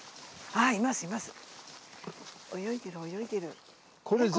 泳いでる泳いでる。